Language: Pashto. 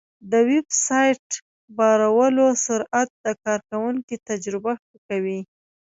د ویب سایټ بارولو سرعت د کارونکي تجربه ښه کوي.